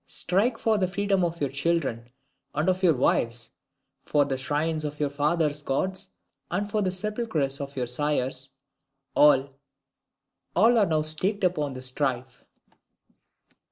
strike for the freedom of your children and of your wives for the shrines of your fathers' gods, and for the sepulchres of your sires. All all are now staked upon the strife!"